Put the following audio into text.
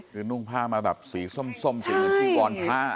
คือนุ่งพระมาแบบสีส้มสีวอนพระ